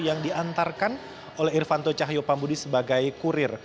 yang diantarkan oleh irvanto cahyopambudi sebagai kurir